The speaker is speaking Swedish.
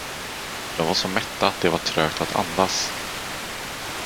De var så mätta att det var trögt att andas.